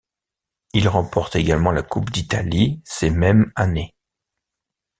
Il remporte également la Coupe d'Italie ces même années.